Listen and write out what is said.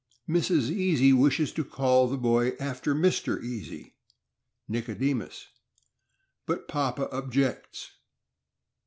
Mrs. Easy wishes to call the boy after Mr. Easy (Nicodemus), but papa objects.